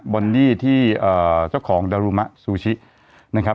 อนนี่ที่เจ้าของดารุมะซูชินะครับ